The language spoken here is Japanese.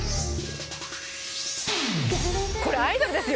これアイドルですよ